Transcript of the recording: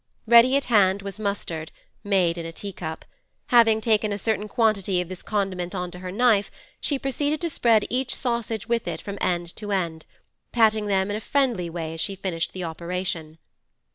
Ready at hand was mustard, made in a tea cup; having taken a certain quantity of this condiment on to her knife, she proceeded to spread each sausage with it from end to end, patting them in a friendly way as she finished the operation.